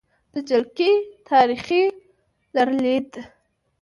د جلکې تاریخې لرلید: